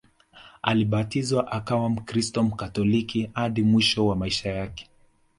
Alibatizwa akawa mkristo Mkatoliki hadi mwisho wa maisha yake